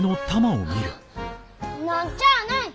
何ちゃあない。